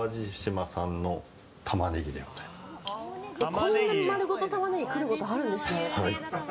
こんなに丸ごとタマネギくることあるんですね。